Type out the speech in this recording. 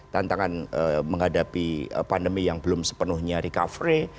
tantangan menghadapi pandemi yang belum sepenuhnya recovery